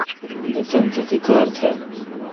نہ تھان تتھی کار تھال۔